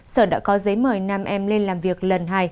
sở đã có giấy mời nam em lên làm việc lần hai